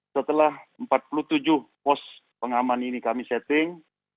setelah empat puluh tujuh pos pengaman ini kami setting